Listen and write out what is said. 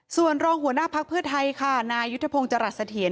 ส่วนรองหัวหน้าพักเพื่อไทยค่ะนายยุทธพงศ์จรัสเสถียร